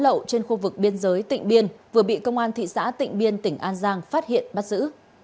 một phút lá lậu trên khu vực biên giới tỉnh biên vừa bị công an thị xã tỉnh biên tỉnh an giang phát hiện bắt giữ